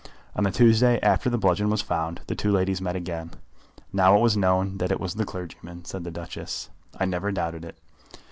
On the Tuesday after the bludgeon was found, the two ladies met again. "Now it was known that it was the clergyman," said the Duchess. "I never doubted it."